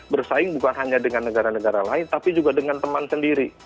bersaing bukan hanya dengan negara negara lain tapi juga dengan teman sendiri